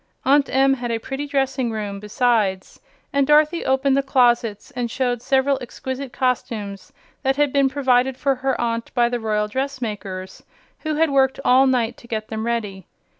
Aunt Em had a pretty dressing room, besides, and Dorothy opened the closets and showed several exquisite costumes that had been provided for her aunt by the royal dressmakers, who had worked all night to get them ready.